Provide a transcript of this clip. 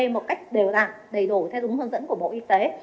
một cách đều đẳng đầy đủ theo dung hướng dẫn của bộ y tế